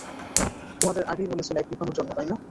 তোমাদের আগেই বলেছি লাইট নিভানোর জন্য, তাই না?